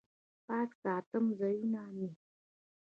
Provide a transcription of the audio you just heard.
پاک ساتم ځایونه مې